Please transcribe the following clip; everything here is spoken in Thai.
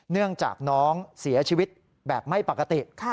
เนื่องจากน้องเสียชีวิตแบบไม่ปกติ